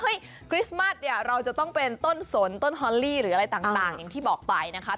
คริสต์มัสเนี่ยเราจะต้องเป็นต้นสนต้นฮอลลี่หรืออะไรต่างอย่างที่บอกไปนะคะ